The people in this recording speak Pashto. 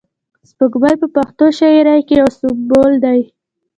سپوږمۍ په پښتو شاعري کښي یو سمبول دئ.